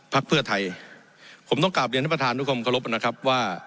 พรรคเพื่อไทยผมต้องกลับเรียนให้ประทานทุกคนขอรบนะครับว่า